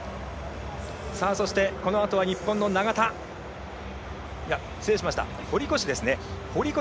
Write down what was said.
そして、このあとは日本の堀越。